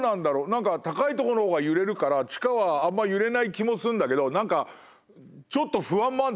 何か高い所の方が揺れるから地下はあんま揺れない気もすんだけど何かちょっと不安もあんだよね何か。